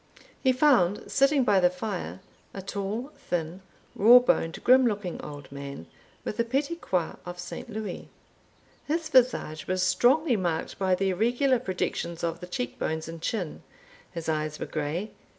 He found, sitting by the fire, a tall, thin, raw boned, grim looking, old man, with the petit croix of St. Louis. His visage was strongly marked by the irregular projections of the cheek bones and chin. His eyes were grey.